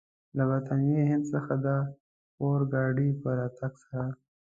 له برټانوي هند څخه د اورګاډي په راتګ سره.